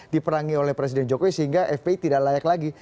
diperangi oleh presiden jokowi sehingga fpi tidak layak lagi